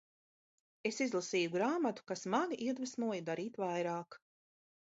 Es izlasīju grāmatu, kas mani iedvesmoja darīt vairāk.